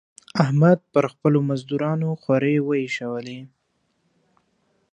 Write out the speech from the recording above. احمد پر خپلو مزدورانو خورۍ واېشولې.